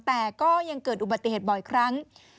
แต่ก็ยังเกิดอุบัติเหตุบ่อยครั้ง